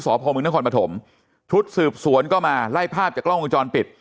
สพมนปฐมชุดสืบสวนก็มาไล่ภาพจากร่องกระจอนปิด